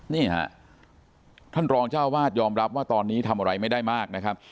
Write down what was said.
นี่ฮะท่านรองเจ้าวาดยอมรับว่าตอนนี้ทำอะไรไม่ได้มากนะครับ